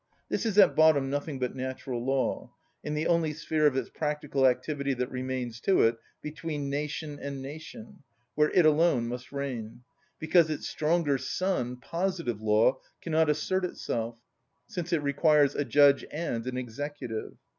This is at bottom nothing but natural law, in the only sphere of its practical activity that remains to it, between nation and nation, where it alone must reign, because its stronger son, positive law, cannot assert itself, since it requires a judge and an executive.